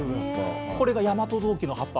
これが大和当帰の葉っぱ。